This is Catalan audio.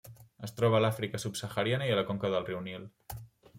Es troba a l'Àfrica subsahariana i a la conca del riu Nil.